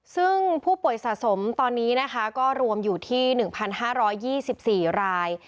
ซึ่งผู้ป่วยสะสมตอนนี้นะคะก็รวมอยู่ที่๑๕๒๔ราย